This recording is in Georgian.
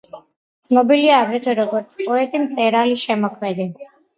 ცნობილია აგრეთვე, როგორც პოეტი, მწერალი, შემოქმედი.